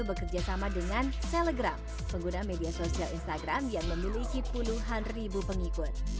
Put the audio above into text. bekerja sama dengan selegram pengguna media sosial instagram yang memiliki puluhan ribu pengikut